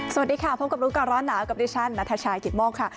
สวัสดีค่ะพบกับลูกการร้อนหนาวกับดิชันนาธาชาอกิตมกค่ะ